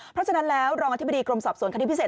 เพราะฉะนั้นแล้วรองอธิบดีกรมสอบสวนคดีพิเศษ